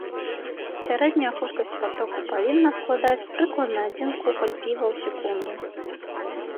Сярэдняя хуткасць патоку павінна складаць прыкладна адзін кухаль піва ў секунду.